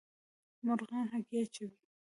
مرغان هګۍ اچوي